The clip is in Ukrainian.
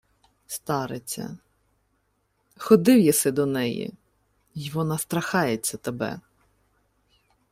— Стариця... Ходив єси до неї, й вона страхається тебе.